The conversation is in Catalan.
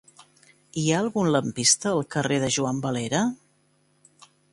Hi ha algun lampista al carrer de Juan Valera?